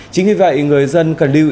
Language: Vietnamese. chính vì vậy người dân cần lưu